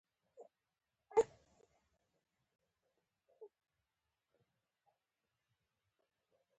نجونې به تر هغه وخته پورې ذهني وده کوي.